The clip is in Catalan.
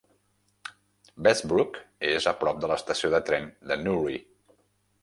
Bessbrook és a prop de l'estació de tren de Newry.